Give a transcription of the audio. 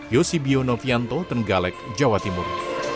yosibio novianto tenggalek jawa timur